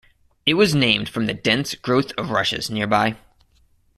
It was named from the dense growth of rushes nearby.